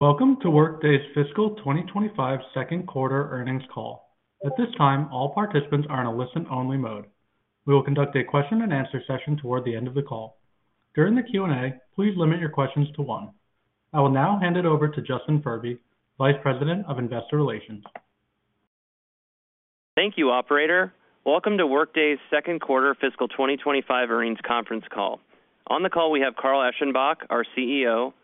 Welcome to Workday's Fiscal 2025 Q2 Earnings Call. At this time, all participants are in a listen-only mode. We will conduct a question-and-answer session toward the end of the call. During the Q&A, please limit your questions to one. I will now hand it over to Justin Furby, Vice President of Investor Relations. Thank you, operator. Welcome to Workday's Q2 Fiscal 2025 Earnings Conference Call. On the call, we have Carl Eschenbach, our CEO,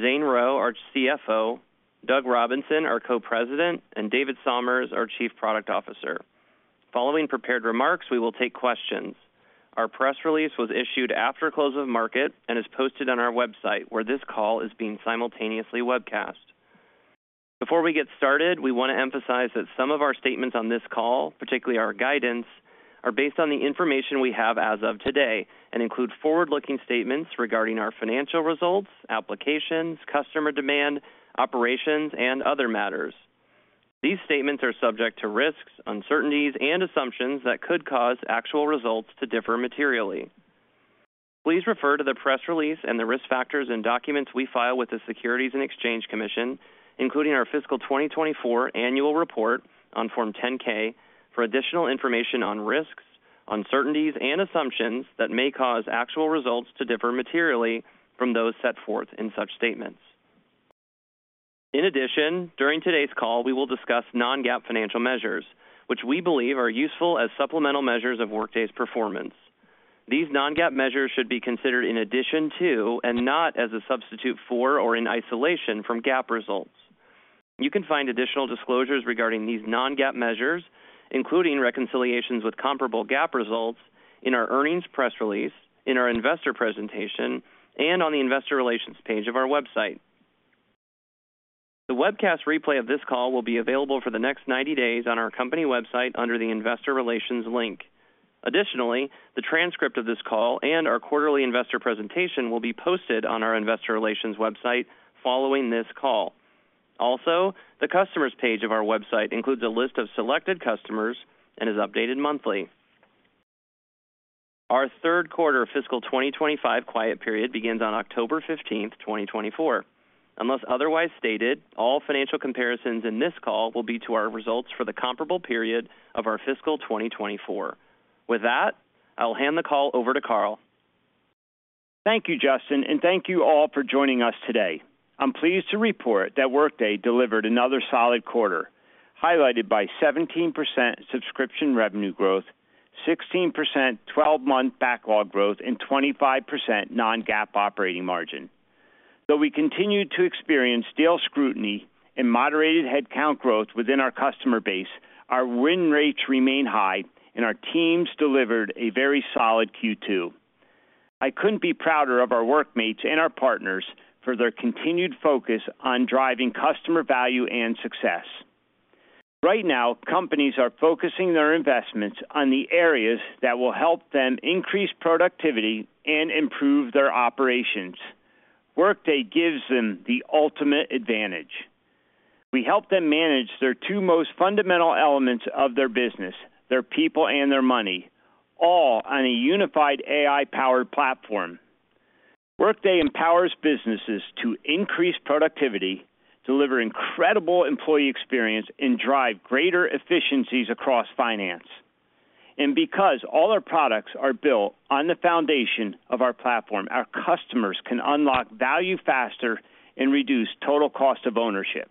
Zane Rowe, our CFO, Doug Robinson, our Co-President, and David Somers, our Chief Product Officer. Following prepared remarks, we will take questions. Our press release was issued after close of market and is posted on our website, where this call is being simultaneously webcast. Before we get started, we want to emphasize that some of our statements on this call, particularly our guidance, are based on the information we have as of today and include forward-looking statements regarding our financial results, applications, customer demand, operations, and other matters. These statements are subject to risks, uncertainties and assumptions that could cause actual results to differ materially. Please refer to the press release and the risk factors and documents we file with the Securities and Exchange Commission, including our fiscal 2024 annual report on Form 10-K, for additional information on risks, uncertainties, and assumptions that may cause actual results to differ materially from those set forth in such statements. In addition, during today's call, we will discuss non-GAAP financial measures, which we believe are useful as supplemental measures of Workday's performance. These non-GAAP measures should be considered in addition to and not as a substitute for or in isolation from GAAP results. You can find additional disclosures regarding these non-GAAP measures, including reconciliations with comparable GAAP results in our earnings press release, in our investor presentation, and on the Investor Relations page of our website. The webcast replay of this call will be available for the next 90 days on our company website under the Investor Relations link. Additionally, the transcript of this call and our quarterly investor presentation will be posted on our Investor Relations website following this call. Also, the customers page of our website includes a list of selected customers and is updated monthly. Our Q3 fiscal 2025 quiet period begins on October 15th, 2024. Unless otherwise stated, all financial comparisons in this call will be to our results for the comparable period of our fiscal 2024. With that, I'll hand the call over to Carl. Thank you, Justin, and thank you all for joining us today. I'm pleased to report that Workday delivered another solid quarter, highlighted by 17% subscription revenue growth, 16% 12-month backlog growth, and 25% non-GAAP operating margin. Though we continued to experience deal scrutiny and moderated headcount growth within our customer base, our win rates remain high, and our teams delivered a very solid Q2. I couldn't be prouder of our workmates and our partners for their continued focus on driving customer value and success. Right now, companies are focusing their investments on the areas that will help them increase productivity and improve their operations. Workday gives them the ultimate advantage. We help them manage their two most fundamental elements of their business, their people and their money, all on a unified AI-powered platform. Workday empowers businesses to increase productivity, deliver incredible employee experience, and drive greater efficiencies across finance. And because all our products are built on the foundation of our platform, our customers can unlock value faster and reduce total cost of ownership.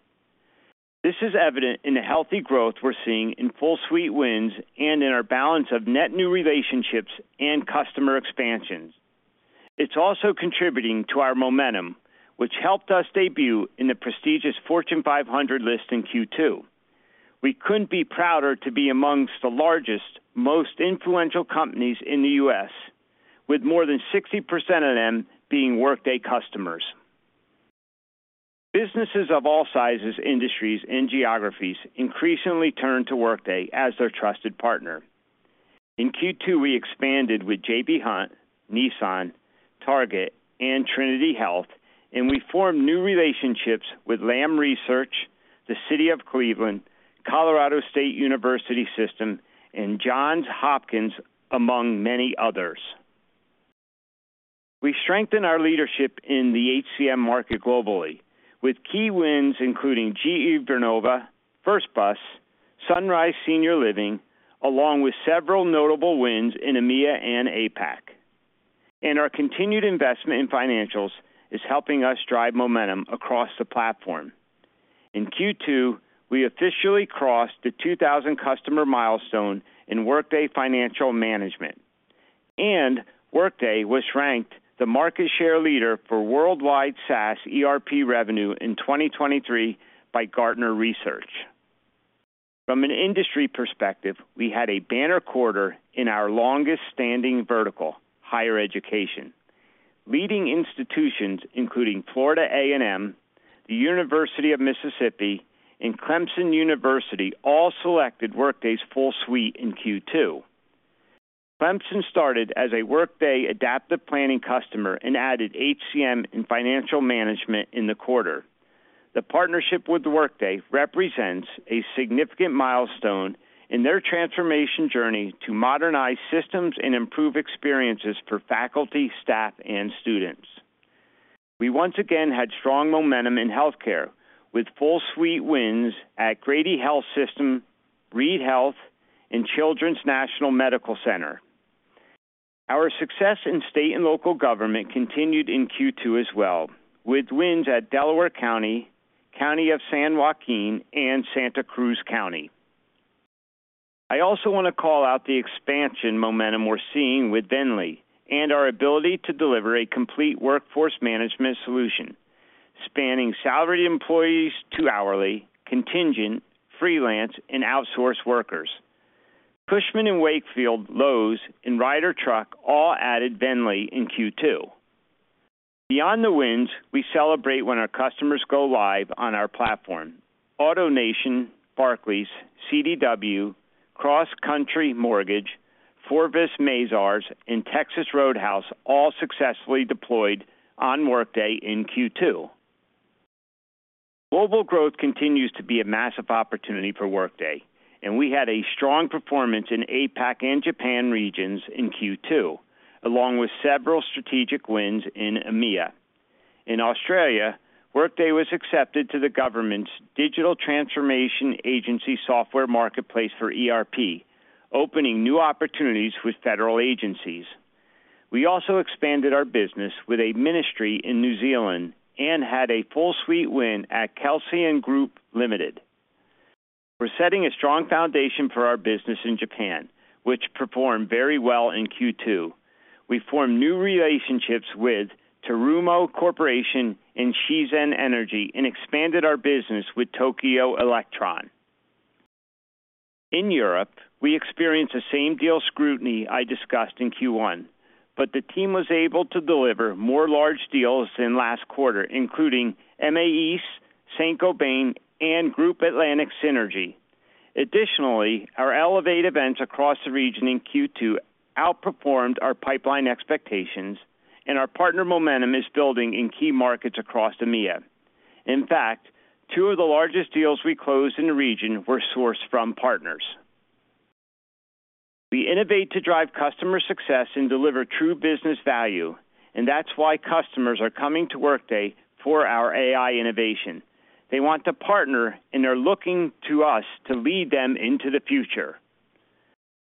This is evident in the healthy growth we're seeing in full suite wins and in our balance of net new relationships and customer expansions. It's also contributing to our momentum, which helped us debut in the prestigious Fortune 500 list in Q2. We couldn't be prouder to be amongst the largest, most influential companies in the U.S., with more than 60% of them being Workday customers. Businesses of all sizes, industries, and geographies increasingly turn to Workday as their trusted partner. In Q2, we expanded with J.B. Hunt, Nissan, Target, and Trinity Health, and we formed new relationships with Lam Research, the City of Cleveland, Colorado State University System, and Johns Hopkins, among many others. We strengthened our leadership in the HCM market globally, with key wins including GE Vernova, First Bus, Sunrise Senior Living, along with several notable wins in EMEA and APAC, and our continued investment in Financials is helping us drive momentum across the platform. In Q2, we officially crossed the 2,000 customer milestone in Workday Financial Management, and Workday was ranked the market share leader for worldwide SaaS ERP revenue in 2023 by Gartner Research. From an industry perspective, we had a banner quarter in our longest-standing vertical, Higher Education. Leading institutions, including Florida A&M, the University of Mississippi, and Clemson University, all selected Workday's full suite in Q2. Clemson started as a Workday Adaptive Planning customer and added HCM in Financial Management in the quarter. The partnership with Workday represents a significant milestone in their transformation journey to modernize systems and improve experiences for faculty, staff, and students. We once again had strong momentum in healthcare, with full suite wins at Grady Health System, Reid Health, and Children's National Medical Center. Our success in State and Local government continued in Q2 as well, with wins at Delaware County, County of San Joaquin, and Santa Cruz County. I also want to call out the expansion momentum we're seeing with VNDLY and our ability to deliver a complete workforce management solution, spanning salaried employees to hourly, contingent, freelance, and outsourced workers. Cushman & Wakefield, Lowe's, and Ryder Truck all added VNDLY in Q2. Beyond the wins, we celebrate when our customers go live on our platform. AutoNation, Barclays, CDW, CrossCountry Mortgage, Forvis Mazars, and Texas Roadhouse all successfully deployed on Workday in Q2. Global growth continues to be a massive opportunity for Workday, and we had a strong performance in APAC and Japan regions in Q2, along with several strategic wins in EMEA. In Australia, Workday was accepted to the government's Digital Transformation Agency Software Marketplace for ERP, opening new opportunities with federal agencies. We also expanded our business with a ministry in New Zealand and had a full suite win at Kelsian Group Limited. We're setting a strong foundation for our business in Japan, which performed very well in Q2. We formed new relationships with Terumo Corporation and Shizen Energy and expanded our business with Tokyo Electron. In Europe, we experienced the same deal scrutiny I discussed in Q1, but the team was able to deliver more large deals than last quarter, including Emeis, Saint-Gobain, Groupe Atlantic Synergy. Additionally, our Elevate events across the region in Q2 outperformed our pipeline expectations, and our partner momentum is building in key markets across EMEA. In fact, two of the largest deals we closed in the region were sourced from partners. We innovate to drive customer success and deliver true business value, and that's why customers are coming to Workday for our AI innovation. They want to partner and are looking to us to lead them into the future.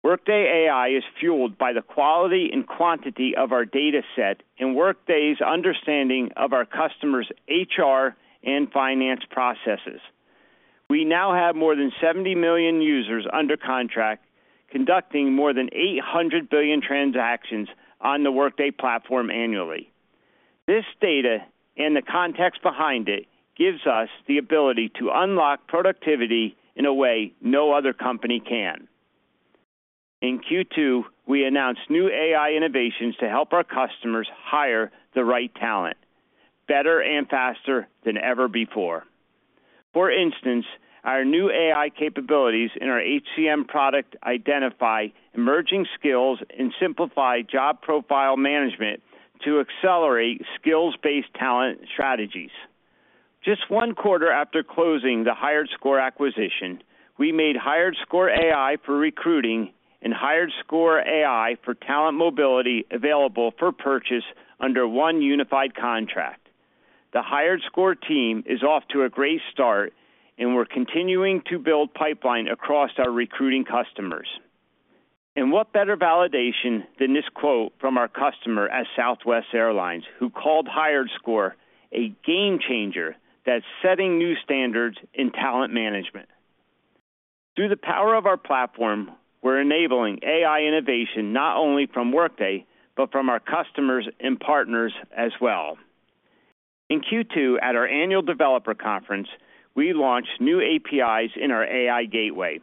Workday AI is fueled by the quality and quantity of our data set and Workday's understanding of our customers' HR and finance processes. We now have more than 70 million users under contract, conducting more than 800 billion transactions on the Workday platform annually. This data, and the context behind it, gives us the ability to unlock productivity in a way no other company can. In Q2, we announced new AI innovations to help our customers hire the right talent, better and faster than ever before. For instance, our new AI capabilities in our HCM product identify emerging skills and simplify job profile management to accelerate skills-based talent strategies. Just one quarter after closing the HiredScore acquisition, we made HiredScore AI for Recruiting and HiredScore AI for Talent Mobility available for purchase under one unified contract. The HiredScore team is off to a great start, and we're continuing to build pipeline across our recruiting customers. What better validation than this quote from our customer at Southwest Airlines, who called HiredScore a game changer that's setting new standards in talent management. Through the power of our platform, we're enabling AI innovation not only from Workday, but from our customers and partners as well. In Q2, at our annual developer conference, we launched new APIs in our AI Gateway.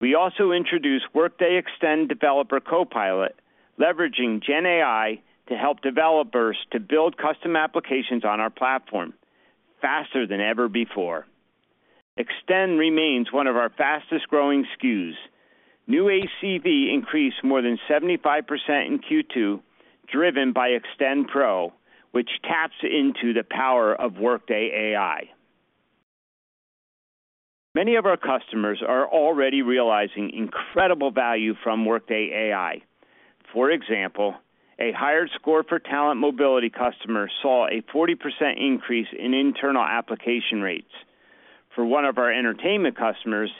We also introduced Workday Extend Developer Copilot, leveraging GenAI to help developers to build custom applications on our platform faster than ever before. Extend remains one of our fastest-growing SKUs. New ACV increased more than 75% in Q2, driven by Extend Pro, which taps into the power of Workday AI. Many of our customers are already realizing incredible value from Workday AI. For example, a HiredScore for Talent Mobility customer saw a 40% increase in internal application rates. For one of our entertainment customers,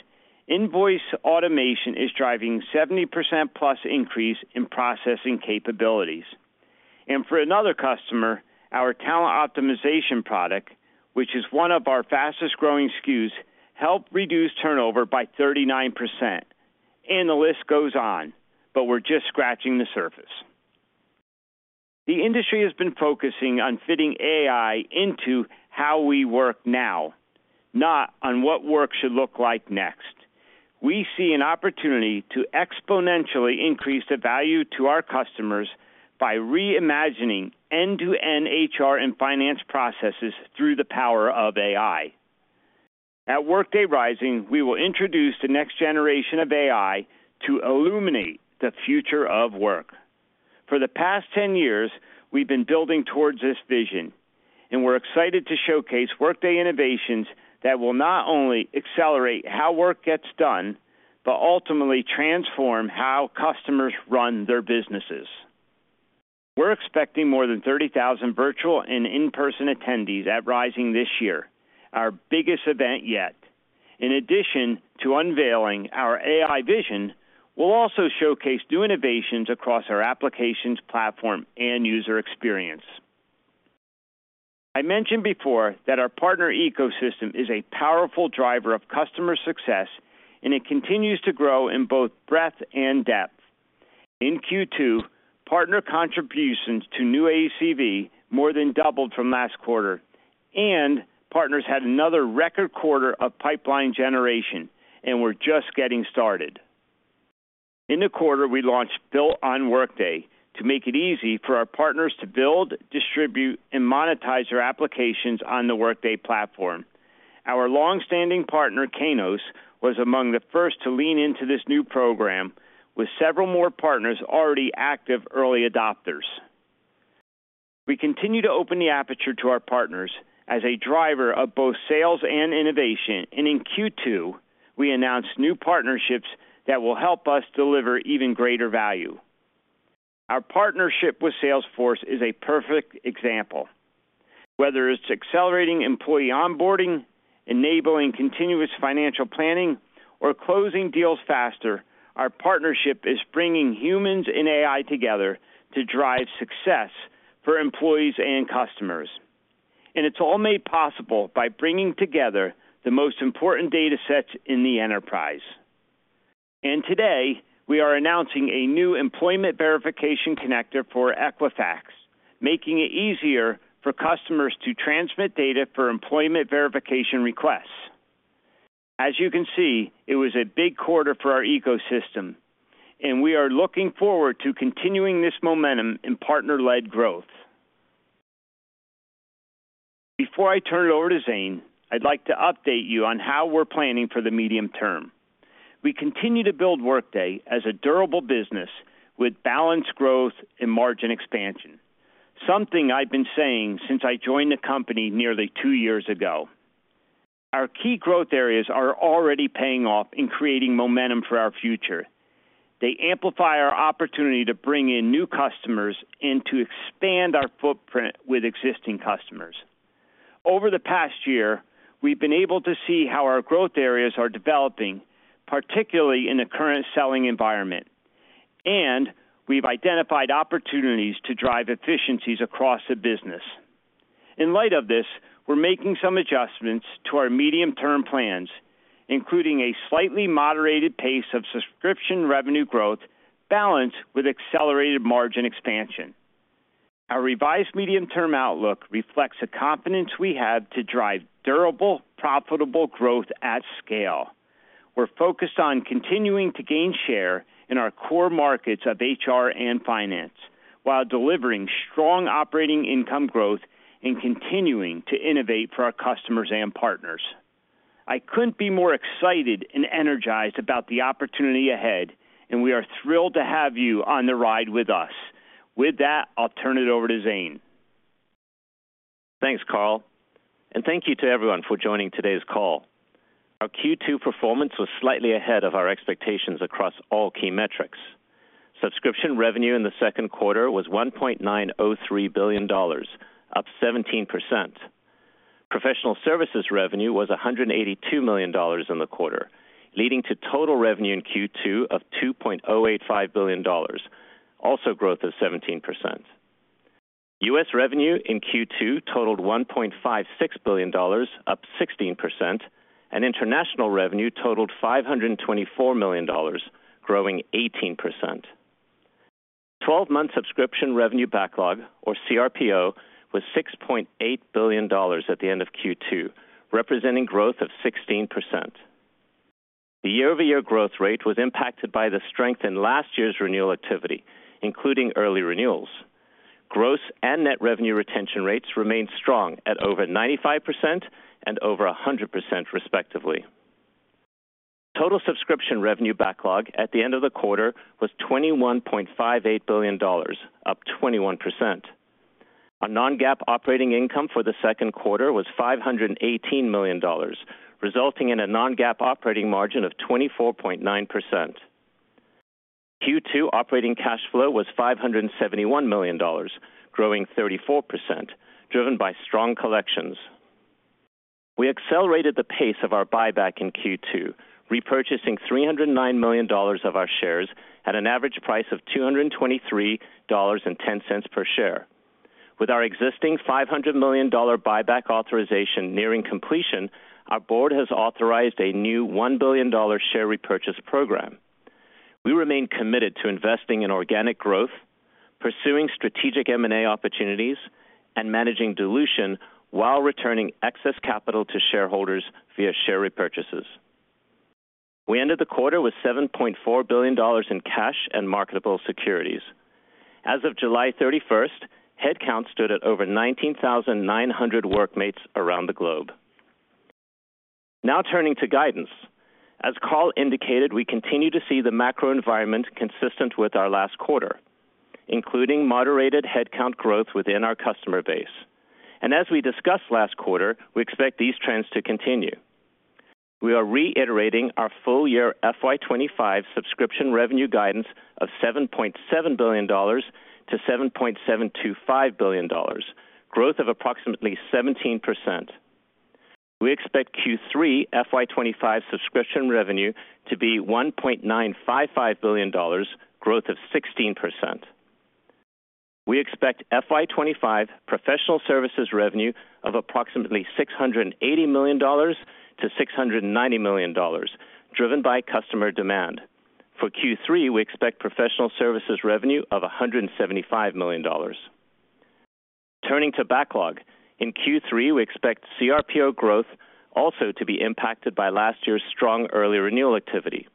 invoice automation is driving 70%+ increase in processing capabilities. And for another customer, our talent optimization product, which is one of our fastest-growing SKUs, helped reduce turnover by 39%. And the list goes on, but we're just scratching the surface. The industry has been focusing on fitting AI into how we work now, not on what work should look like next. We see an opportunity to exponentially increase the value to our customers by reimagining end-to-end HR and finance processes through the power of AI. At Workday Rising, we will introduce the next generation of AI to illuminate the future of work. For the past ten years, we've been building towards this vision, and we're excited to showcase Workday innovations that will not only accelerate how work gets done, but ultimately transform how customers run their businesses. We're expecting more than 30,000 virtual and in-person attendees at Rising this year, our biggest event yet. In addition to unveiling our AI vision, we'll also showcase new innovations across our applications, platform, and user experience. I mentioned before that our partner ecosystem is a powerful driver of customer success, and it continues to grow in both breadth and depth. In Q2, partner contributions to new ACV more than doubled from last quarter, and partners had another record quarter of pipeline generation, and we're just getting started. In the quarter, we launched Built on Workday to make it easy for our partners to build, distribute, and monetize their applications on the Workday Platform. Our long-standing partner, Kainos, was among the first to lean into this new program, with several more partners already active early adopters. We continue to open the aperture to our partners as a driver of both sales and innovation, and in Q2, we announced new partnerships that will help us deliver even greater value. Our partnership with Salesforce is a perfect example. Whether it's accelerating employee onboarding, enabling continuous financial planning, or closing deals faster, our partnership is bringing humans and AI together to drive success for employees and customers. And it's all made possible by bringing together the most important data sets in the enterprise. And today, we are announcing a new Employment Verification Connector for Equifax, making it easier for customers to transmit data for employment verification requests. As you can see, it was a big quarter for our ecosystem, and we are looking forward to continuing this momentum in partner-led growth. Before I turn it over to Zane, I'd like to update you on how we're planning for the medium term. We continue to build Workday as a durable business with balanced growth and margin expansion, something I've been saying since I joined the company nearly two years ago. Our key growth areas are already paying off in creating momentum for our future. They amplify our opportunity to bring in new customers and to expand our footprint with existing customers. Over the past year, we've been able to see how our growth areas are developing, particularly in the current selling environment, and we've identified opportunities to drive efficiencies across the business. In light of this, we're making some adjustments to our medium-term plans, including a slightly moderated pace of subscription revenue growth, balanced with accelerated margin expansion. Our revised medium-term outlook reflects the confidence we have to drive durable, profitable growth at scale. We're focused on continuing to gain share in our core markets of HR and finance, while delivering strong operating income growth and continuing to innovate for our customers and partners. I couldn't be more excited and energized about the opportunity ahead, and we are thrilled to have you on the ride with us. With that, I'll turn it over to Zane. Thanks, Carl, and thank you to everyone for joining today's call. Our Q2 performance was slightly ahead of our expectations across all key metrics. Subscription revenue in the Q2 was $1.903 billion, up 17%. Professional services revenue was $182 million in the quarter, leading to total revenue in Q2 of $2.085 billion, also growth of 17%. U.S. revenue in Q2 totaled $1.56 billion, up 16%, and international revenue totaled $524 million, growing 18%. Twelve-month subscription revenue backlog, or cRPO, was $6.8 billion at the end of Q2, representing growth of 16%. The year-over-year growth rate was impacted by the strength in last year's renewal activity, including early renewals. Gross and net revenue retention rates remained strong at over 95% and over 100%, respectively. Total subscription revenue backlog at the end of the quarter was $21.58 billion, up 21%. Our non-GAAP operating income for the Q2 was $518 million, resulting in a non-GAAP operating margin of 24.9%. Q2 operating cash flow was $571 million, growing 34%, driven by strong collections. We accelerated the pace of our buyback in Q2, repurchasing $309 million of our shares at an average price of $223.10 per share. With our existing $500 million buyback authorization nearing completion, our board has authorized a new $1 billion share repurchase program. We remain committed to investing in organic growth, pursuing strategic M&A opportunities, and managing dilution while returning excess capital to shareholders via share repurchases. We ended the quarter with $7.4 billion in cash and marketable securities. As of July 31st, headcount stood at over 19,900 workmates around the globe. Now turning to guidance. As Carl indicated, we continue to see the macro environment consistent with our last quarter, including moderated headcount growth within our customer base, and as we discussed last quarter, we expect these trends to continue. We are reiterating our full year FY 2025 subscription revenue guidance of $7.7 billion to $7.725 billion, growth of approximately 17%. We expect Q3 FY 2025 subscription revenue to be $1.955 billion, growth of 16%. We expect FY 2025 professional services revenue of approximately $680 million-$690 million, driven by customer demand. For Q3, we expect professional services revenue of $175 million. Turning to backlog, in Q3, we expect cRPO growth also to be impacted by last year's strong early renewal activity.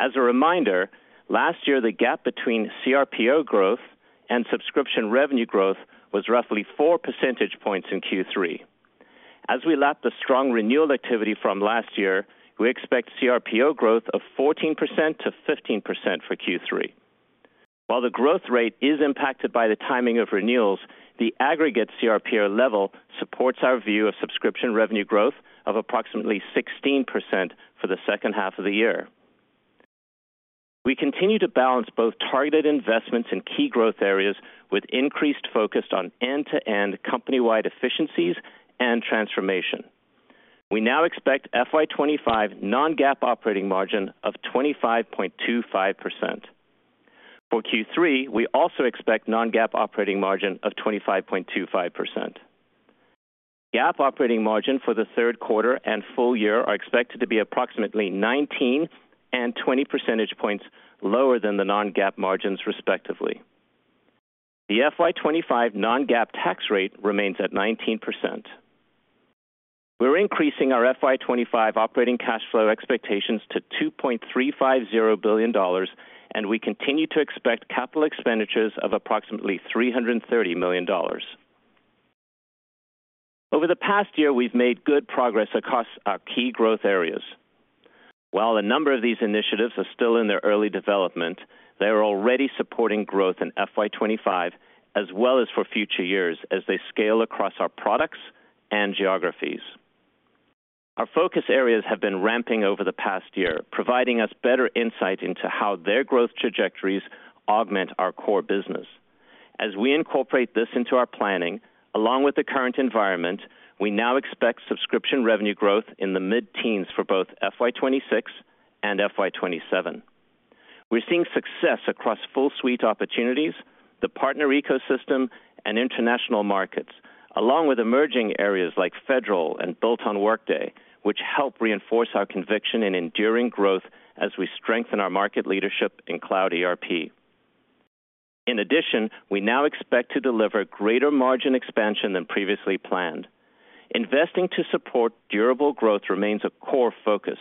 As a reminder, last year, the gap between cRPO growth and subscription revenue growth was roughly 4 percentage points in Q3. As we lap the strong renewal activity from last year, we expect cRPO growth of 14%-15% for Q3. While the growth rate is impacted by the timing of renewals, the aggregate cRPO level supports our view of subscription revenue growth of approximately 16% for the second half of the year. We continue to balance both targeted investments in key growth areas with increased focus on end-to-end company-wide efficiencies and transformation. We now expect FY25 non-GAAP operating margin of 25.25%. For Q3, we also expect non-GAAP operating margin of 25.25%. GAAP operating margin for the Q3 and full year are expected to be approximately 19 and 20 percentage points lower than the non-GAAP margins, respectively. The FY25 non-GAAP tax rate remains at 19%. We're increasing our FY25 operating cash flow expectations to $2.350 billion, and we continue to expect capital expenditures of approximately $330 million. Over the past year, we've made good progress across our key growth areas. While a number of these initiatives are still in their early development, they are already supporting growth in FY 2025 as well as for future years as they scale across our products and geographies. Our focus areas have been ramping over the past year, providing us better insight into how their growth trajectories augment our core business. As we incorporate this into our planning, along with the current environment, we now expect subscription revenue growth in the mid-teens for both FY 2026 and FY 2027. We're seeing success across full suite opportunities, the partner ecosystem, and international markets, along with emerging areas like Federal and Built on Workday, which help reinforce our conviction in enduring growth as we strengthen our market leadership in cloud ERP. In addition, we now expect to deliver greater margin expansion than previously planned. Investing to support durable growth remains a core focus,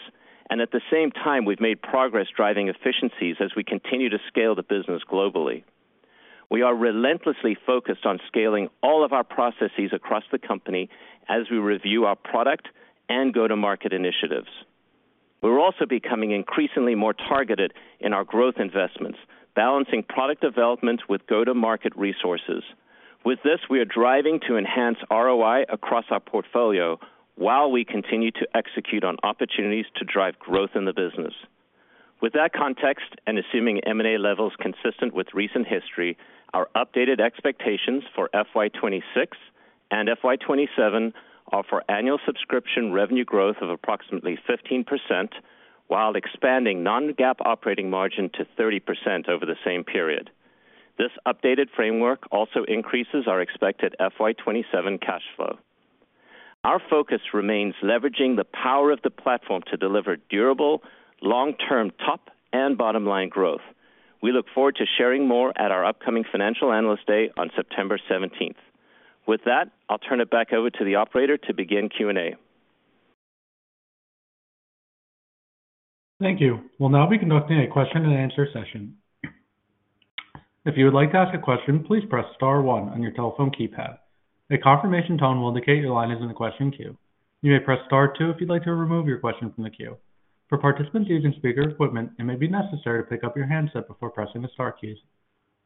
and at the same time, we've made progress driving efficiencies as we continue to scale the business globally. We are relentlessly focused on scaling all of our processes across the company as we review our product and go-to-market initiatives. We're also becoming increasingly more targeted in our growth investments, balancing product development with go-to-market resources. With this, we are driving to enhance ROI across our portfolio, while we continue to execute on opportunities to drive growth in the business. With that context, and assuming M&A levels consistent with recent history, our updated expectations for FY 2026 and FY 2027 are for annual subscription revenue growth of approximately 15%, while expanding non-GAAP operating margin to 30% over the same period. This updated framework also increases our expected FY 2027 cash flow. Our focus remains leveraging the power of the platform to deliver durable, long-term top and bottom-line growth. We look forward to sharing more at our upcoming Financial Analyst Day on September 17th. With that, I'll turn it back over to the operator to begin Q&A. Thank you. We'll now be conducting a question-and-answer session. If you would like to ask a question, please press star one on your telephone keypad. A confirmation tone will indicate your line is in the question queue. You may press star two if you'd like to remove your question from the queue. For participants using speaker equipment, it may be necessary to pick up your handset before pressing the star keys.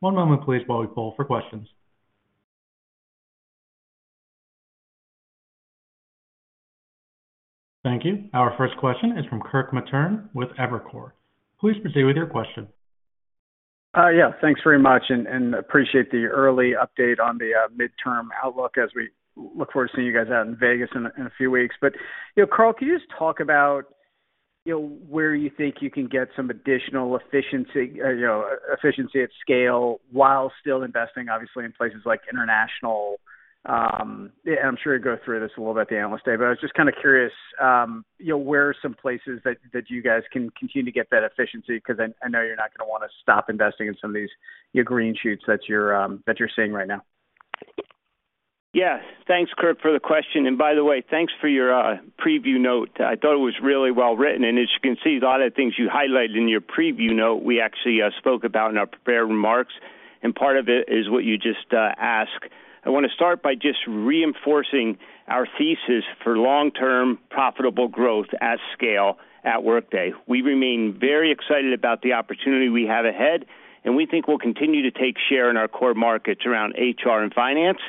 One moment, please, while we poll for questions. Thank you. Our first question is from Kirk Materne with Evercore. Please proceed with your question. Yeah, thanks very much and appreciate the early update on the midterm outlook as we look forward to seeing you guys out in Vegas in a few weeks. But, you know, Carl, can you just talk about, you know, where you think you can get some additional efficiency, you know, economies of scale, while still investing, obviously, in places like international? And I'm sure you'll go through this a little at the analyst day, but I was just kind of curious, you know, where are some places that you guys can continue to get that efficiency? Because I know you're not going to want to stop investing in some of these, your green shoots that you're seeing right now. Yeah. Thanks, Kirk, for the question. And by the way, thanks for your preview note. I thought it was really well written, and as you can see, a lot of the things you highlighted in your preview note, we actually spoke about in our prepared remarks.... and part of it is what you just asked. I want to start by just reinforcing our thesis for long-term profitable growth at scale at Workday. We remain very excited about the opportunity we have ahead, and we think we'll continue to take share in our core markets around HR and finance,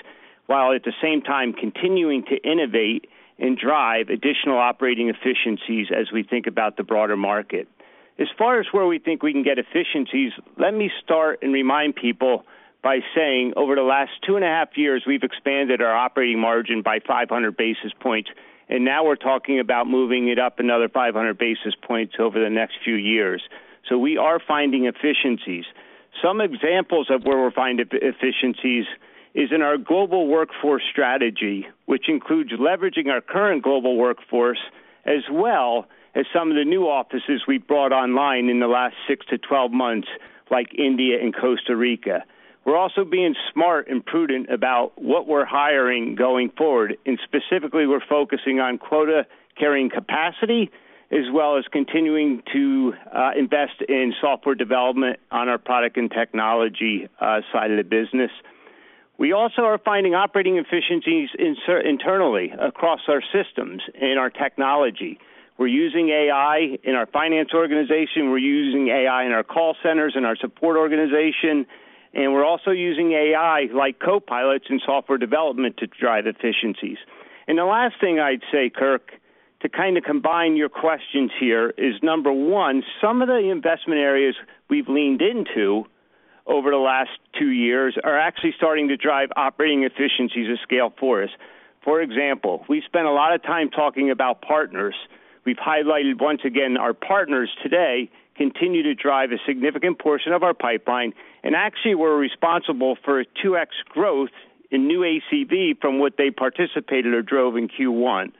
while at the same time continuing to innovate and drive additional operating efficiencies as we think about the broader market. As far as where we think we can get efficiencies, let me start and remind people by saying over the last two and a half years, we've expanded our operating margin by 500 basis points, and now we're talking about moving it up another 500 basis points over the next few years. So we are finding efficiencies. Some examples of where we're finding efficiencies is in our global workforce strategy, which includes leveraging our current global workforce, as well as some of the new offices we brought online in the last six to 12 months, like India and Costa Rica. We're also being smart and prudent about what we're hiring going forward, and specifically, we're focusing on quota-carrying capacity, as well as continuing to invest in software development on our product and technology side of the business. We also are finding operating efficiencies internally across our systems and our technology. We're using AI in our finance organization, we're using AI in our call centers, in our support organization, and we're also using AI, like copilots and software development, to drive efficiencies. And the last thing I'd say, Kirk, to kind of combine your questions here, is, number one, some of the investment areas we've leaned into over the last two years are actually starting to drive operating efficiencies of scale for us. For example, we spent a lot of time talking about partners. We've highlighted once again, our partners today continue to drive a significant portion of our pipeline, and actually we're responsible for a 2x growth in new ACV from what they participated or drove in Q1.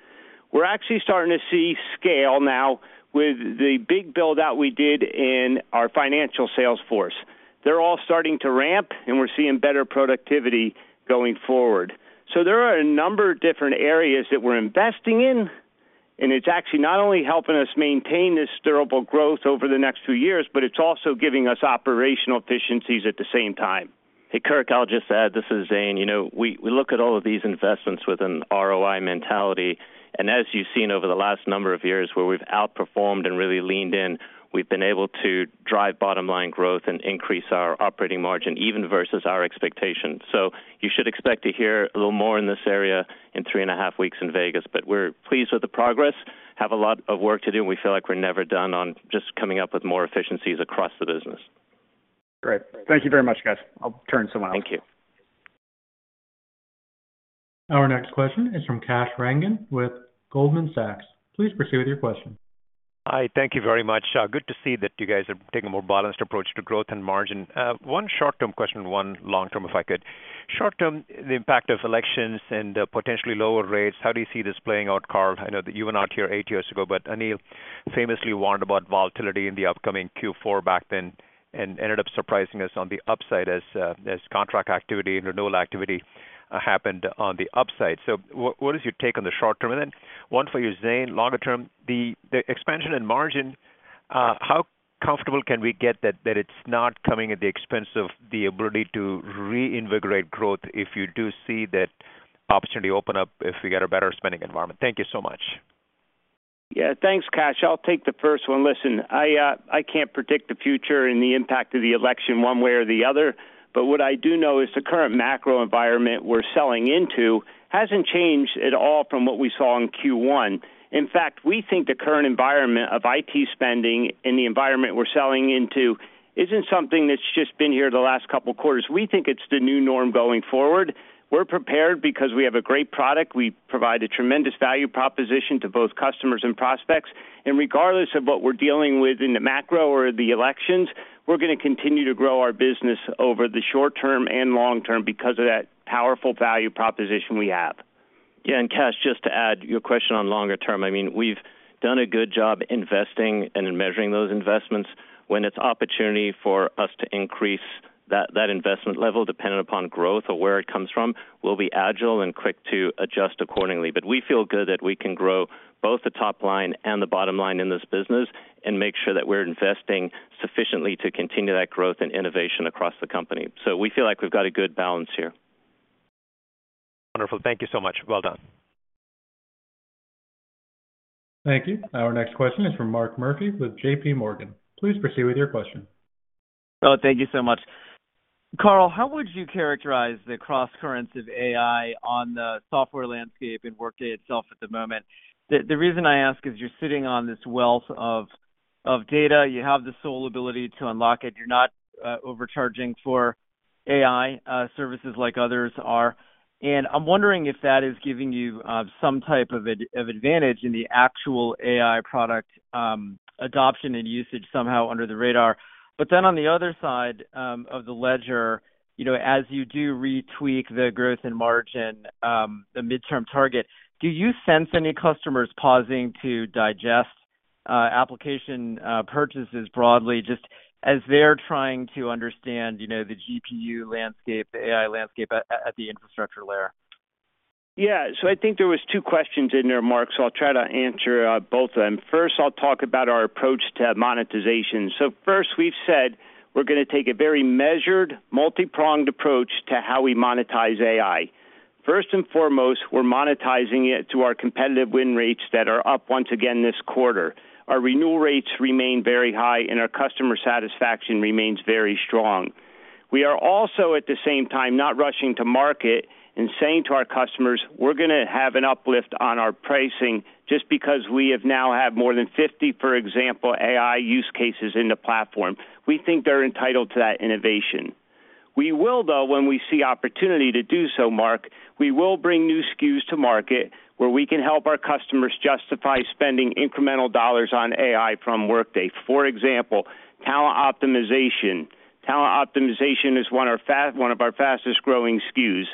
We're actually starting to see scale now with the big build-out we did in our financial sales force. They're all starting to ramp, and we're seeing better productivity going forward. So there are a number of different areas that we're investing in, and it's actually not only helping us maintain this durable growth over the next few years, but it's also giving us operational efficiencies at the same time. Hey, Kirk, I'll just add, this is Zane. You know, we, we look at all of these investments with an ROI mentality, and as you've seen over the last number of years where we've outperformed and really leaned in, we've been able to drive bottom line growth and increase our operating margin, even versus our expectations. So you should expect to hear a little more in this area in three and a half weeks in Vegas. But we're pleased with the progress, have a lot of work to do, and we feel like we're never done on just coming up with more efficiencies across the business. Great. Thank you very much, guys. I'll turn to someone else. Thank you. Our next question is from Kash Rangan with Goldman Sachs. Please proceed with your question. Hi, thank you very much. Good to see that you guys are taking a more balanced approach to growth and margin. One short-term question, one long-term, if I could. Short-term, the impact of elections and potentially lower rates, how do you see this playing out, Carl? I know that you were not here eight years ago, but Anil famously warned about volatility in the upcoming Q4 back then and ended up surprising us on the upside as contract activity and renewal activity happened on the upside. So what is your take on the short term? Then one for you, Zane. Longer term, the expansion and margin, how comfortable can we get that it's not coming at the expense of the ability to reinvigorate growth if you do see that opportunity open up, if we get a better spending environment? Thank you so much. Yeah, thanks, Kash. I'll take the first one. Listen, I, I can't predict the future and the impact of the election one way or the other, but what I do know is the current macro environment we're selling into hasn't changed at all from what we saw in Q1. In fact, we think the current environment of IT spending and the environment we're selling into isn't something that's just been here the last couple of quarters. We think it's the new norm going forward. We're prepared because we have a great product. We provide a tremendous value proposition to both customers and prospects, and regardless of what we're dealing with in the macro or the elections, we're going to continue to grow our business over the short term and long term because of that powerful value proposition we have. Yeah, and Kash, just to add to your question on longer term, I mean, we've done a good job investing and in measuring those investments. When it's opportunity for us to increase that, that investment level, dependent upon growth or where it comes from, we'll be agile and quick to adjust accordingly. But we feel good that we can grow both the top line and the bottom line in this business and make sure that we're investing sufficiently to continue that growth and innovation across the company. So we feel like we've got a good balance here. Wonderful. Thank you so much. Well done. Thank you. Our next question is from Mark Murphy with J.P. Morgan. Please proceed with your question. Oh, thank you so much. Carl, how would you characterize the crosscurrents of AI on the software landscape in Workday itself at the moment? The reason I ask is you're sitting on this wealth of data. You have the sole ability to unlock it. You're not overcharging for AI services like others are. And I'm wondering if that is giving you some type of advantage in the actual AI product adoption and usage somehow under the radar. But then on the other side of the ledger, you know, as you do retweak the growth in margin, the midterm target, do you sense any customers pausing to digest application purchases broadly, just as they're trying to understand, you know, the GPU landscape, the AI landscape at the infrastructure layer? ... Yeah, so I think there were two questions in there, Mark, so I'll try to answer both of them. First, I'll talk about our approach to monetization. So first, we've said we're gonna take a very measured, multipronged approach to how we monetize AI. First and foremost, we're monetizing it to our competitive win rates that are up once again this quarter. Our renewal rates remain very high, and our customer satisfaction remains very strong. We are also, at the same time, not rushing to market and saying to our customers, "We're gonna have an uplift on our pricing," just because we now have more than 50, for example, AI use cases in the platform. We think they're entitled to that innovation. We will, though, when we see opportunity to do so, Mark. We will bring new SKUs to market where we can help our customers justify spending incremental dollars on AI from Workday. For example, talent optimization. Talent optimization is one of our fastest growing SKUs.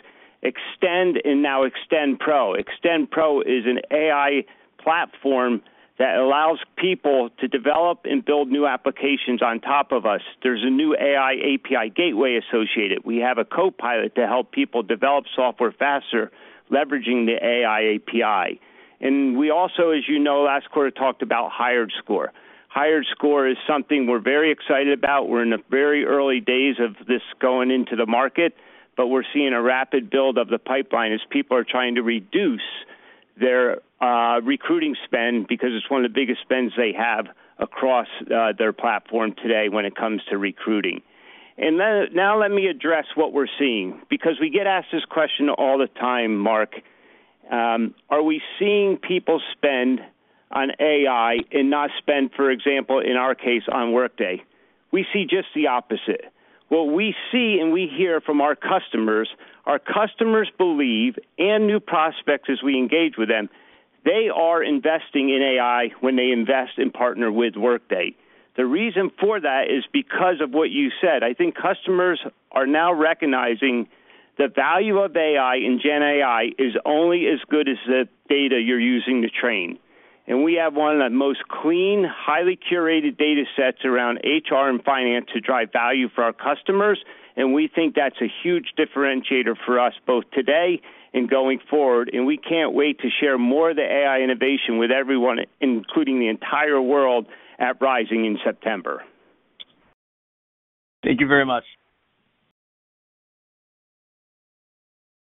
Extend and now Extend Pro. Extend Pro is an AI platform that allows people to develop and build new applications on top of us. There's a new AI API gateway associated. We have a copilot to help people develop software faster, leveraging the AI API. And we also, as you know, last quarter, talked about HiredScore. HiredScore is something we're very excited about. We're in the very early days of this going into the market, but we're seeing a rapid build of the pipeline as people are trying to reduce their recruiting spend, because it's one of the biggest spends they have across their platform today when it comes to recruiting. And then, now let me address what we're seeing, because we get asked this question all the time, Mark. Are we seeing people spend on AI and not spend, for example, in our case, on Workday? We see just the opposite. What we see and we hear from our customers, our customers believe, and new prospects as we engage with them, they are investing in AI when they invest and partner with Workday. The reason for that is because of what you said. I think customers are now recognizing the value of AI, and GenAI is only as good as the data you're using to train. We have one of the most clean, highly curated data sets around HR and finance to drive value for our customers, and we think that's a huge differentiator for us, both today and going forward. We can't wait to share more of the AI innovation with everyone, including the entire world, at Rising in September. Thank you very much.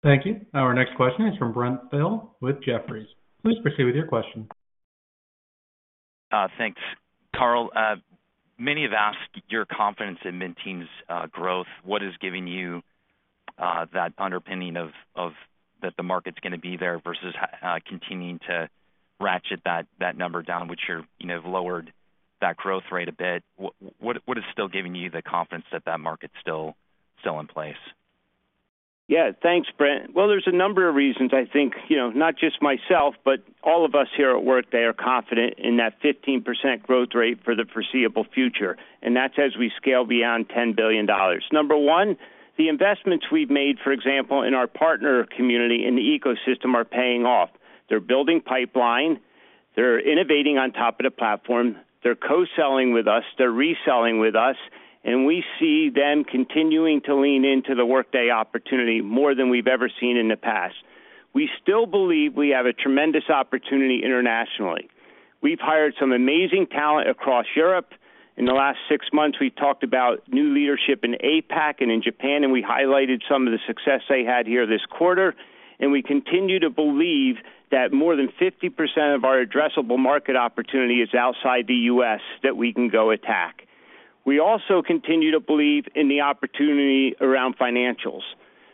Thank you. Our next question is from Brent Thill with Jefferies. Please proceed with your question. Thanks. Carl, many have asked your confidence in mid-teens growth. What is giving you that underpinning that the market's gonna be there versus continuing to ratchet that number down, which you're, you know, have lowered that growth rate a bit? What is still giving you the confidence that that market's still in place? Yeah. Thanks, Brent. Well, there's a number of reasons I think, you know, not just myself, but all of us here at Workday are confident in that 15% growth rate for the foreseeable future, and that's as we scale beyond $10 billion. Number one, the investments we've made, for example, in our partner community, in the ecosystem, are paying off. They're building pipeline, they're innovating on top of the platform, they're co-selling with us, they're reselling with us, and we see them continuing to lean into the Workday opportunity more than we've ever seen in the past. We still believe we have a tremendous opportunity internationally. We've hired some amazing talent across Europe. In the last six months, we've talked about new leadership in APAC and in Japan, and we highlighted some of the success they had here this quarter. And we continue to believe that more than 50% of our addressable market opportunity is outside the U.S., that we can go attack. We also continue to believe in the opportunity around Financials.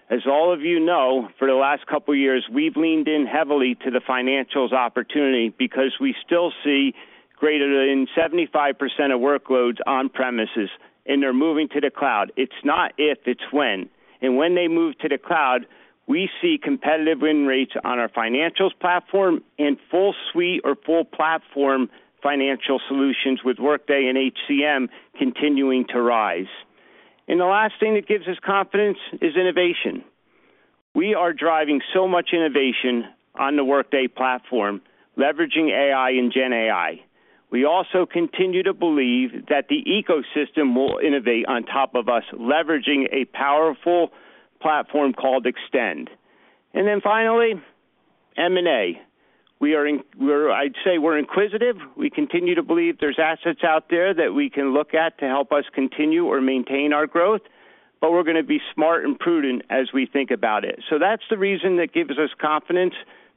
As all of you know, for the last couple of years, we've leaned in heavily to the Financials opportunity because we still see greater than 75% of workloads on premises, and they're moving to the cloud. It's not if, it's when. And when they move to the cloud, we see competitive win rates on our Financials platform and full suite or full platform financial solutions with Workday and HCM continuing to rise. And the last thing that gives us confidence is innovation. We are driving so much innovation on the Workday platform, leveraging AI and GenAI. We also continue to believe that the ecosystem will innovate on top of us, leveraging a powerful platform called Extend, and then finally, M&A. I'd say we're inquisitive. We continue to believe there's assets out there that we can look at to help us continue or maintain our growth, but we're gonna be smart and prudent as we think about it, so that's the reason that gives us confidence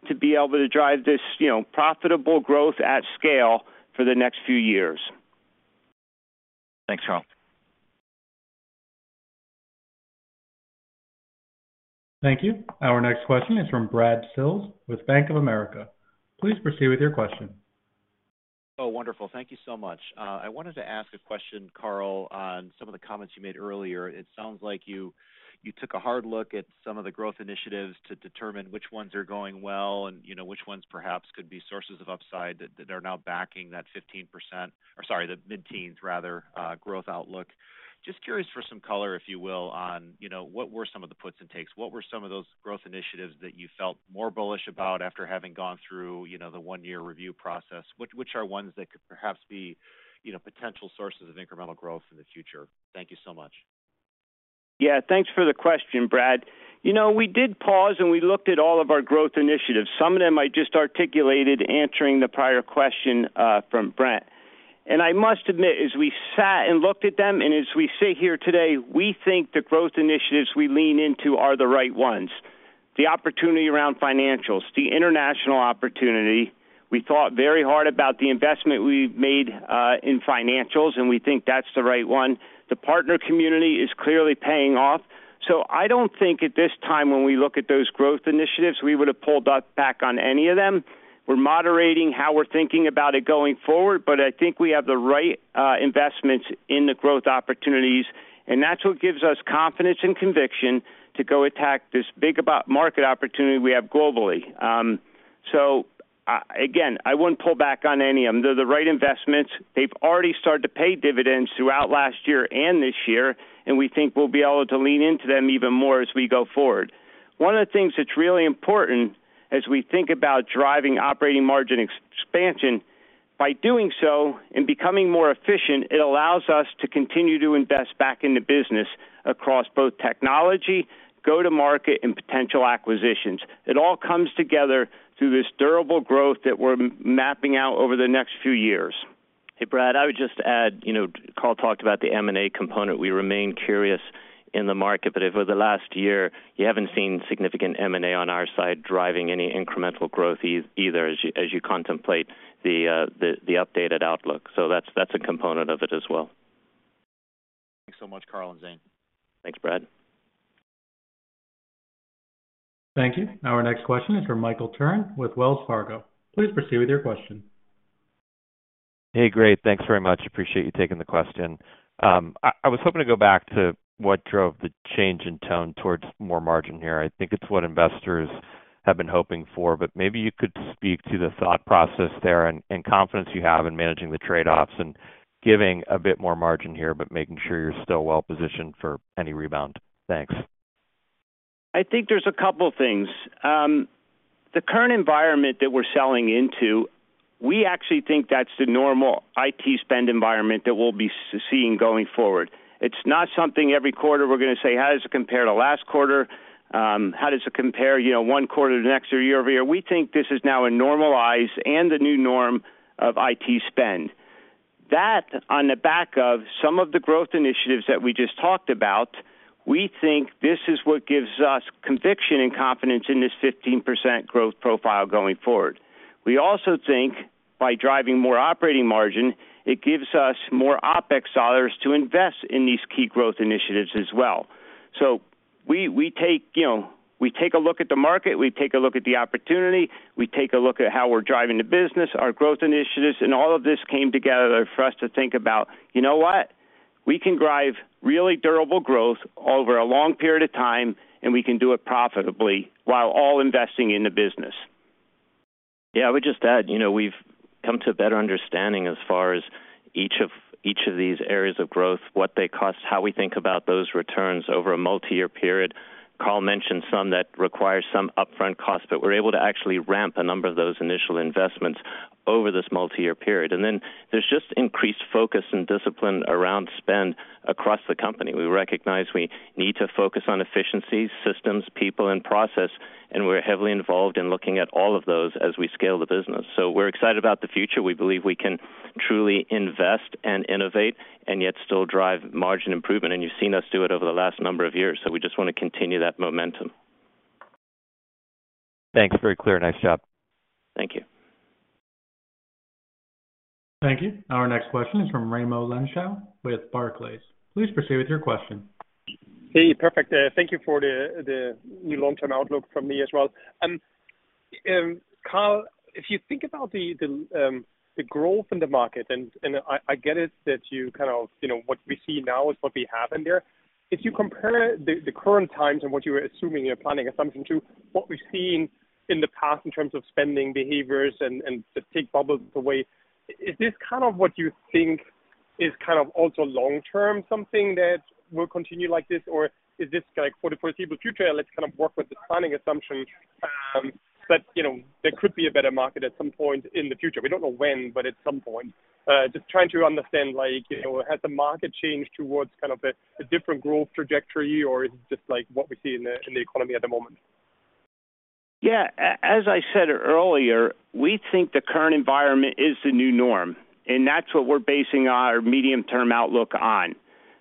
to be able to drive this, you know, profitable growth at scale for the next few years. Thanks, Carl. Thank you. Our next question is from Brad Sills with Bank of America. Please proceed with your question. Oh, wonderful. Thank you so much. I wanted to ask a question, Carl, on some of the comments you made earlier. It sounds like you took a hard look at some of the growth initiatives to determine which ones are going well and you know, which ones perhaps could be sources of upside that are now backing that 15%... Or sorry, the mid-teens rather, growth outlook. Just curious for some color, if you will, on, you know, what were some of the puts and takes? What were some of those growth initiatives that you felt more bullish about after having gone through, you know, the one-year review process? Which are ones that could perhaps be, you know, potential sources of incremental growth in the future? Thank you so much.... Yeah, thanks for the question, Brad. You know, we did pause, and we looked at all of our growth initiatives. Some of them I just articulated answering the prior question from Brent. And I must admit, as we sat and looked at them, and as we sit here today, we think the growth initiatives we lean into are the right ones. The opportunity around Financials, the international opportunity, we thought very hard about the investment we made in financials, and we think that's the right one. The partner community is clearly paying off. So I don't think at this time, when we look at those growth initiatives, we would have pulled back on any of them. We're moderating how we're thinking about it going forward, but I think we have the right investments in the growth opportunities, and that's what gives us confidence and conviction to go attack this big market opportunity we have globally. Again, I wouldn't pull back on any of them. They're the right investments. They've already started to pay dividends throughout last year and this year, and we think we'll be able to lean into them even more as we go forward. One of the things that's really important as we think about driving operating margin expansion, by doing so and becoming more efficient, it allows us to continue to invest back in the business across both technology, go-to-market, and potential acquisitions. It all comes together through this durable growth that we're mapping out over the next few years. Hey, Brad, I would just add, you know, Carl talked about the M&A component. We remain curious in the market, but over the last year, you haven't seen significant M&A on our side driving any incremental growth either as you, as you contemplate the updated outlook. So that's a component of it as well. Thanks so much, Carl and Zane. Thanks, Brad. Thank you. Our next question is from Michael Turrin with Wells Fargo. Please proceed with your question. Hey, great. Thanks very much. Appreciate you taking the question. I was hoping to go back to what drove the change in tone towards more margin here. I think it's what investors have been hoping for, but maybe you could speak to the thought process there and confidence you have in managing the trade-offs and giving a bit more margin here, but making sure you're still well-positioned for any rebound. Thanks. I think there's a couple things. The current environment that we're selling into, we actually think that's the normal IT spend environment that we'll be seeing going forward. It's not something every quarter we're gonna say: How does it compare to last quarter? How does it compare, you know, one quarter to the next or year over year? We think this is now a normalized and the new norm of IT spend. That on the back of some of the growth initiatives that we just talked about, we think this is what gives us conviction and confidence in this 15% growth profile going forward. We also think by driving more operating margin, it gives us more OpEx dollars to invest in these key growth initiatives as well. So we take, you know, we take a look at the market, we take a look at the opportunity, we take a look at how we're driving the business, our growth initiatives, and all of this came together for us to think about, you know what? We can drive really durable growth over a long period of time, and we can do it profitably while all investing in the business. Yeah, I would just add, you know, we've come to a better understanding as far as each of these areas of growth, what they cost, how we think about those returns over a multi-year period. Carl mentioned some that require some upfront costs, but we're able to actually ramp a number of those initial investments over this multi-year period. And then there's just increased focus and discipline around spend across the company. We recognize we need to focus on efficiency, systems, people, and process, and we're heavily involved in looking at all of those as we scale the business. So we're excited about the future. We believe we can truly invest and innovate, and yet still drive margin improvement, and you've seen us do it over the last number of years. So we just want to continue that momentum. Thanks. Very clear. Nice job. Thank you. Thank you. Our next question is from Raimo Lenschow with Barclays. Please proceed with your question. Hey, perfect. Thank you for the new long-term outlook from me as well. Carl, if you think about the growth in the market, and I get it, that you kind of, you know, what we see now is what we have in there. If you compare the current times and what you were assuming, your planning assumption, to what we've seen in the past in terms of spending behaviors and the tech bubble the way, is this kind of what you think is kind of also long-term, something that will continue like this? Or is this, like, for the foreseeable future, let's kind of work with the planning assumption, but, you know, there could be a better market at some point in the future. We don't know when, but at some point. Just trying to understand, like, you know, has the market changed towards kind of the different growth trajectory, or is it just like what we see in the economy at the moment? Yeah, as I said earlier, we think the current environment is the new norm, and that's what we're basing our medium-term outlook on.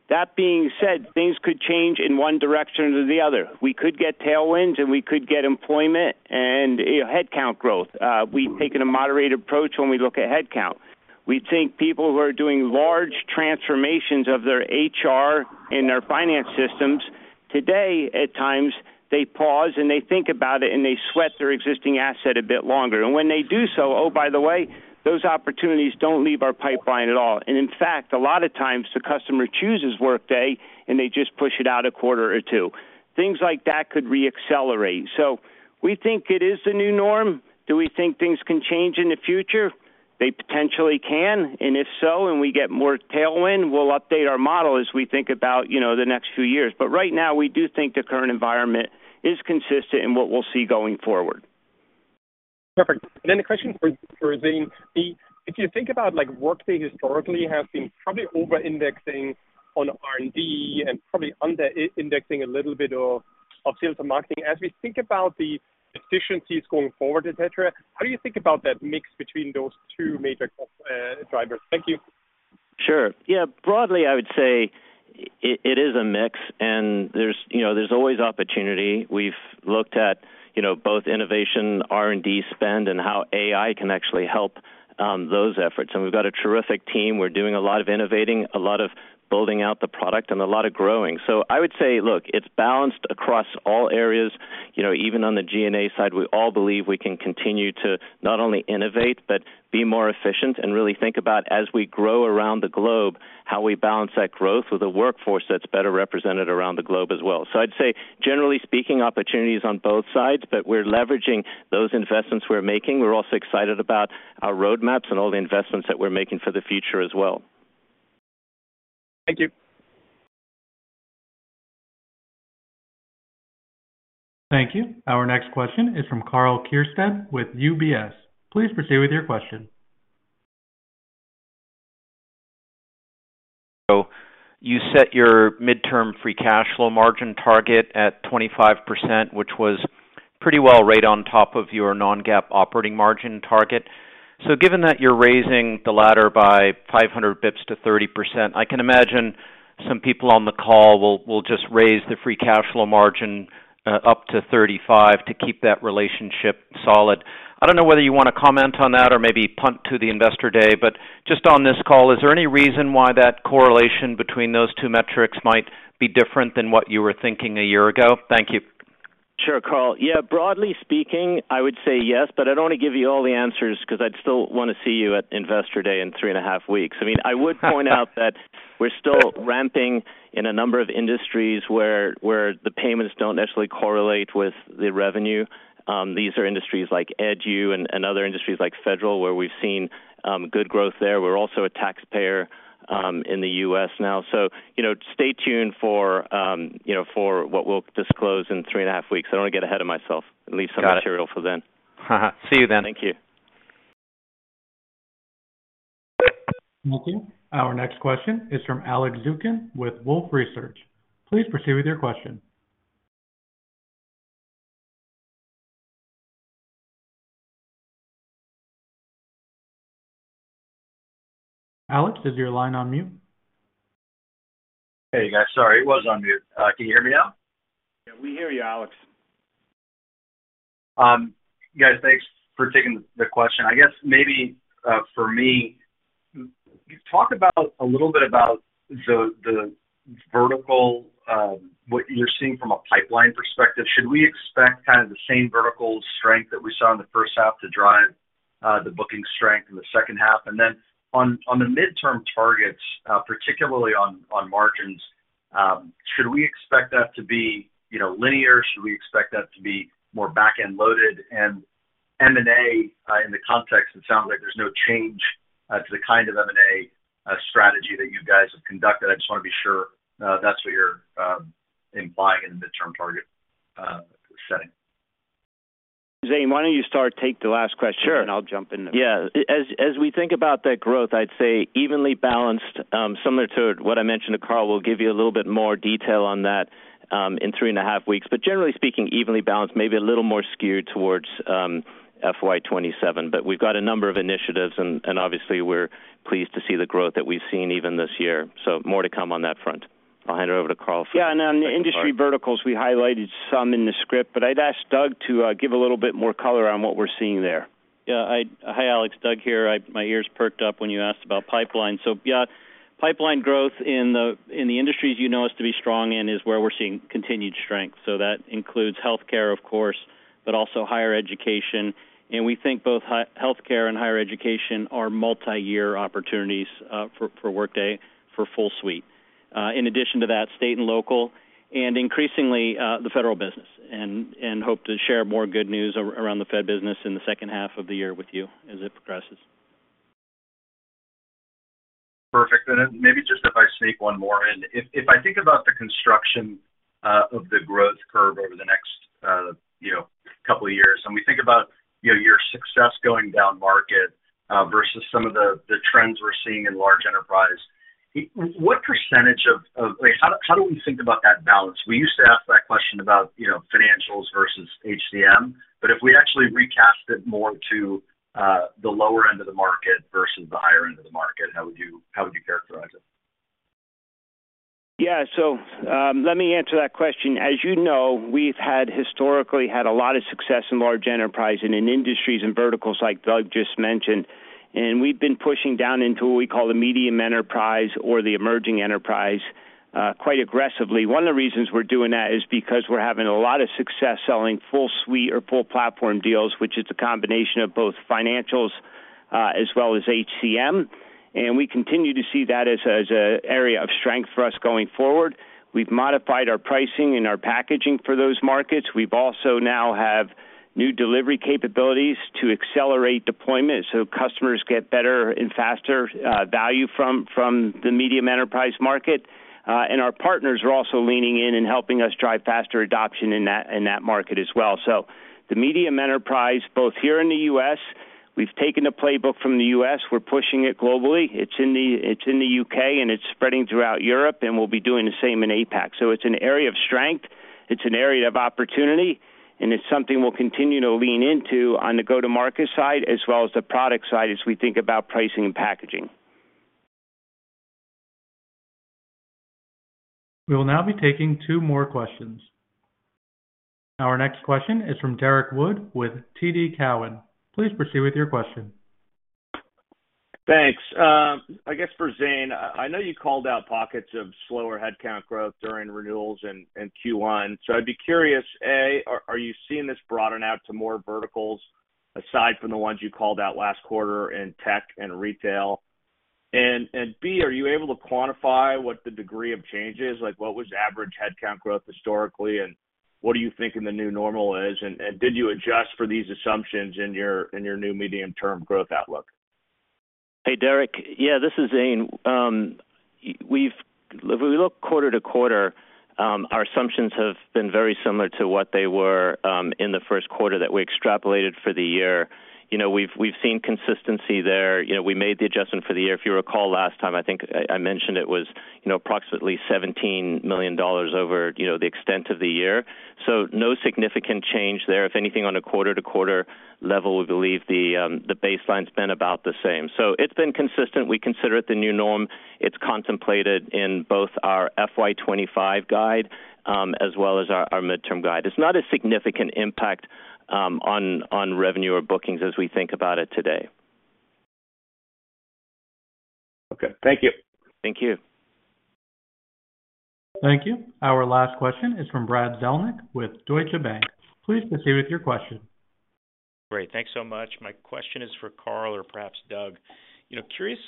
That being said, things could change in one direction or the other. We could get tailwinds, and we could get employment and, you know, headcount growth. We've taken a moderate approach when we look at headcount. We think people who are doing large transformations of their HR and their finance systems, today, at times, they pause, and they think about it, and they sweat their existing asset a bit longer. And when they do so, oh, by the way, those opportunities don't leave our pipeline at all. And in fact, a lot of times, the customer chooses Workday, and they just push it out a quarter or two. Things like that could re-accelerate. So we think it is the new norm. Do we think things can change in the future? They potentially can, and if so, and we get more tailwind, we'll update our model as we think about, you know, the next few years. But right now, we do think the current environment is consistent in what we'll see going forward. ... Perfect. And then a question for, for Zane. The. If you think about, like, Workday historically has been probably over-indexing on R&D and probably under-indexing a little bit of, of sales and marketing. As we think about the efficiencies going forward, et cetera, how do you think about that mix between those two major cost drivers? Thank you. Sure. Yeah, broadly, I would say it is a mix, and there's, you know, there's always opportunity. We've looked at, you know, both innovation, R&D spend, and how AI can actually help those efforts, and we've got a terrific team. We're doing a lot of innovating, a lot of building out the product, and a lot of growing. So I would say, look, it's balanced across all areas. You know, even on the G&A side, we all believe we can continue to not only innovate but be more efficient and really think about, as we grow around the globe, how we balance that growth with a workforce that's better represented around the globe as well. So I'd say, generally speaking, opportunities on both sides, but we're leveraging those investments we're making. We're also excited about our roadmaps and all the investments that we're making for the future as well. Thank you. Thank you. Our next question is from Karl Keirstead with UBS. Please proceed with your question. So you set your midterm free cash flow margin target at 25%, which was pretty well right on top of your non-GAAP operating margin target. So given that you're raising the latter by 500 basis points to 30%, I can imagine some people on the call will just raise the free cash flow margin up to 35% to keep that relationship solid. I don't know whether you want to comment on that or maybe punt to the Investor Day, but just on this call, is there any reason why that correlation between those two metrics might be different than what you were thinking a year ago? Thank you. Sure, Karl. Yeah, broadly speaking, I would say yes, but I don't want to give you all the answers 'cause I'd still wanna see you at Investor Day in three and a half weeks. I mean, I would point out that we're still ramping in a number of industries where the payments don't necessarily correlate with the revenue. These are industries like Edu and other industries like Federal, where we've seen good growth there. We're also a taxpayer in the US now. So, you know, stay tuned for you know, for what we'll disclose in three and a half weeks. I don't want to get ahead of myself and leave some- Got it. material for then. See you then. Thank you. Thank you. Our next question is from Alex Zukin with Wolfe Research. Please proceed with your question. Alex, is your line on mute? Hey, guys. Sorry, it was on mute. Can you hear me now? Yeah, we hear you, Alex. Guys, thanks for taking the question. I guess maybe for me, talk about a little bit about the vertical, what you're seeing from a pipeline perspective. Should we expect kind of the same vertical strength that we saw in the first half to drive the booking strength in the second half? And then on the midterm targets, particularly on margins, should we expect that to be, you know, linear? Should we expect that to be more back-end loaded? And M&A in the context, it sounds like there's no change to the kind of M&A strategy that you guys have conducted. I just wanna be sure that's what you're implying in the midterm target setting. Zane, why don't you start? Take the last question. Sure. And I'll jump in then. Yeah. As we think about that growth, I'd say evenly balanced, similar to what I mentioned to Carl. We'll give you a little bit more detail on that in three and a half weeks. But generally speaking, evenly balanced, maybe a little more skewed towards FY 2027. But we've got a number of initiatives and obviously we're pleased to see the growth that we've seen even this year. So more to come on that front. I'll hand it over to Carl for the- Yeah, and on the industry verticals, we highlighted some in the script, but I'd ask Doug to give a little bit more color on what we're seeing there. Yeah, Hi, Alex. Doug here. My ears perked up when you asked about pipeline. So yeah, pipeline growth in the industries you know us to be strong in is where we're seeing continued strength. So that includes healthcare, of course, but also Higher Education, and we think both healthcare and Higher Education are multiyear opportunities for Workday, for full suite. In addition to that, state and local, and increasingly the Federal business and hope to share more good news around the Fed business in the second half of the year with you as it progresses. Perfect. And then maybe just if I sneak one more in. If I think about the construction of the growth curve over the next, you know, couple of years, and we think about, you know, your success going down market versus some of the trends we're seeing in large enterprise, what percentage of. Like, how do we think about that balance? We used to ask that question about, you know, Financials versus HCM, but if we actually recast it more to the lower end of the market versus the higher end of the market, how would you characterize it? Yeah. So, let me answer that question. As you know, we've historically had a lot of success in large enterprise and in industries and verticals like Doug just mentioned, and we've been pushing down into what we call the medium enterprise or the emerging enterprise quite aggressively. One of the reasons we're doing that is because we're having a lot of success selling full suite or full platform deals, which is a combination of both Financials as well as HCM, and we continue to see that as an area of strength for us going forward. We've modified our pricing and our packaging for those markets. We've also now have new delivery capabilities to accelerate deployment, so customers get better and faster value from the medium enterprise market. And our partners are also leaning in and helping us drive faster adoption in that market as well. So the medium enterprise, both here in the U.S. We've taken the playbook from the U.S., we're pushing it globally. It's in the U.K., and it's spreading throughout Europe, and we'll be doing the same in APAC. So it's an area of strength, it's an area of opportunity, and it's something we'll continue to lean into on the go-to-market side as well as the product side as we think about pricing and packaging. We will now be taking two more questions. Our next question is from Derrick Wood with TD Cowen. Please proceed with your question. Thanks. I guess for Zane, I know you called out pockets of slower headcount growth during renewals in Q1. So I'd be curious, A, are you seeing this broaden out to more verticals aside from the ones you called out last quarter in tech and retail? And B, are you able to quantify what the degree of change is? Like, what was average headcount growth historically, and what are you thinking the new normal is, and did you adjust for these assumptions in your new medium-term growth outlook? Hey, Derrick. Yeah, this is Zane. We've if we look quarter to quarter, our assumptions have been very similar to what they were in the first quarter that we extrapolated for the year. You know, we've seen consistency there. You know, we made the adjustment for the year. If you recall last time, I think I mentioned it was, you know, approximately $17 million over the extent of the year, so no significant change there. If anything, on a quarter-to-quarter level, we believe the baseline's been about the same. So it's been consistent. We consider it the new norm. It's contemplated in both our FY 2025 guide as well as our midterm guide. It's not a significant impact on revenue or bookings as we think about it today. Okay. Thank you. Thank you. Thank you. Our last question is from Brad Zelnick with Deutsche Bank. Please proceed with your question. Great. Thanks so much. My question is for Carl or perhaps Doug. You know, curious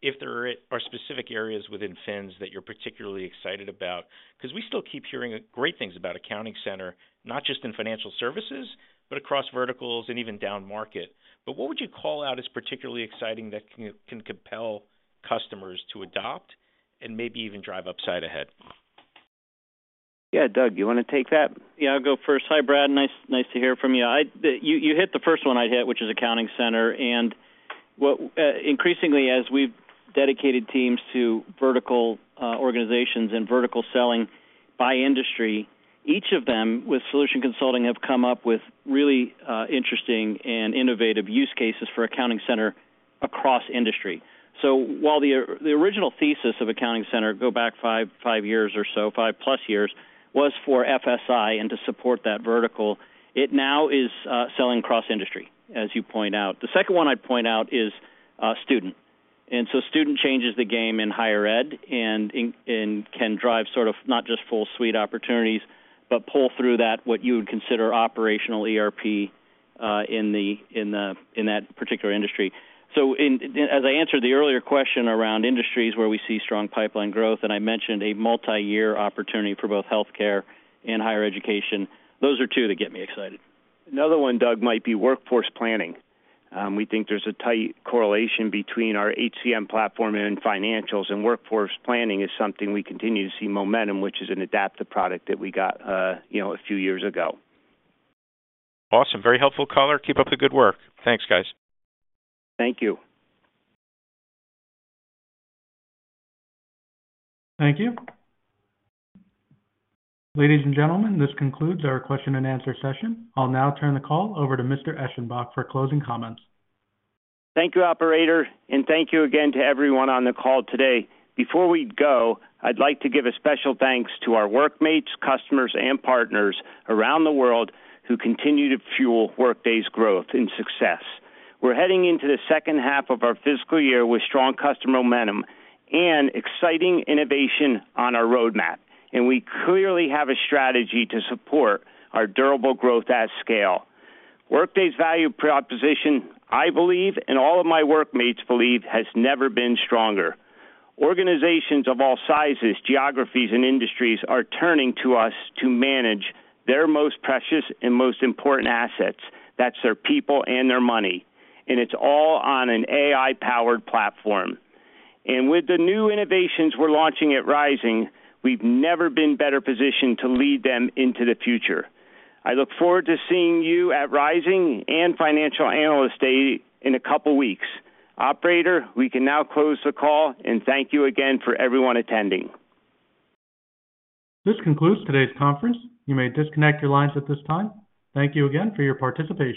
if there are specific areas within Fins that you're particularly excited about, 'cause we still keep hearing great things about Accounting Center, not just in financial services, but across verticals and even downmarket, but what would you call out as particularly exciting that can compel customers to adopt and maybe even drive upside ahead? Yeah, Doug, you wanna take that? Yeah, I'll go first. Hi, Brad, nice to hear from you. You hit the first one I'd hit, which is Accounting Center, and, increasingly, as we've dedicated teams to vertical organizations and vertical selling by industry, each of them, with solution consulting, have come up with really interesting and innovative use cases for Accounting Center across industry. So while the original thesis of Accounting Center, go back five years or so, five plus years, was for FSI and to support that vertical, it now is selling cross-industry, as you point out. The second one I'd point out is Student. Student changes the game in Higher Ed and can drive sort of not just full suite opportunities, but pull through that, what you would consider operational ERP in that particular industry. As I answered the earlier question around industries where we see strong pipeline growth, and I mentioned a multiyear opportunity for both healthcare and Higher Education, those are two that get me excited. Another one, Doug, might be Workforce Planning. We think there's a tight correlation between our HCM platform and Financials, and Workforce Planning is something we continue to see momentum, which is an adaptive product that we got, you know, a few years ago. Awesome. Very helpful, Carl. Keep up the good work. Thanks, guys. Thank you. Thank you. Ladies and gentlemen, this concludes our question-and-answer session. I'll now turn the call over to Mr. Eschenbach for closing comments. Thank you, operator, and thank you again to everyone on the call today. Before we go, I'd like to give a special thanks to our workmates, customers, and partners around the world who continue to fuel Workday's growth and success. We're heading into the second half of our fiscal year with strong customer momentum and exciting innovation on our roadmap, and we clearly have a strategy to support our durable growth at scale. Workday's value proposition, I believe, and all of my workmates believe, has never been stronger. Organizations of all sizes, geographies, and industries are turning to us to manage their most precious and most important assets. That's their people and their money, and it's all on an AI-powered platform, and with the new innovations we're launching at Rising, we've never been better positioned to lead them into the future. I look forward to seeing you at Rising and Financial Analyst Day in a couple weeks. Operator, we can now close the call, and thank you again for everyone attending. This concludes today's conference. You may disconnect your lines at this time. Thank you again for your participation.